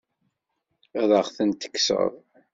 Ad aɣ-tent-tekkseḍ?